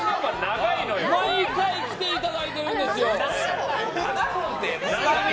毎回来ていただいてるんですよ。